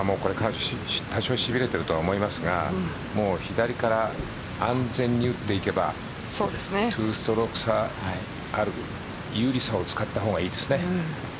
多少、しびれてると思いますが左から安全に打っていけば２ストローク差ある有利さを使った方がいいですね。